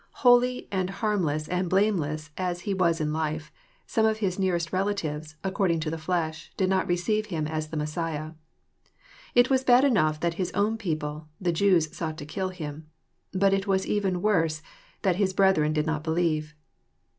Holy and 1 2 EXPOsrroRT thoughts. harmless and blameless as He was in life, some of his nearest relatives, according to the flesh, did not receive Him as the Messiah. It was bad enough that His own people, " the Jew8..8ought to kill Him." But it was even worse that " His brethren did not believe."